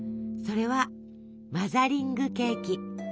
それはマザリングケーキ。